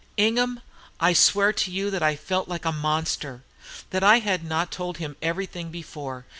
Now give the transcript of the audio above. "Ingham, I swear to you that I felt like a monster that I had not told him everything before.